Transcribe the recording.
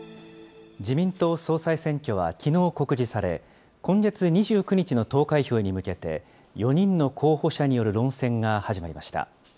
自民党総裁選挙はきのう告示され、今月２９日の投開票に向けて、４人の候補者による論戦が始まりました。